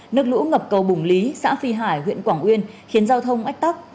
nước lũ ngập cầu bùng lý xã phi hải huyện quảng uyên khiến giao thông ách tóc